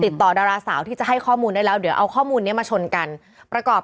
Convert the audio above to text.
ดาราสาวที่จะให้ข้อมูลได้แล้วเดี๋ยวเอาข้อมูลนี้มาชนกันประกอบ